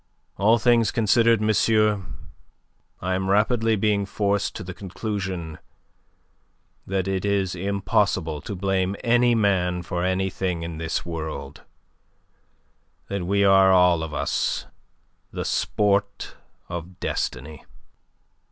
"All things considered, monsieur, I am rapidly being forced to the conclusion that it is impossible to blame any man for anything in this world; that we are all of us the sport of destiny.